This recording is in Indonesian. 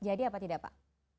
jadi apa tidak pak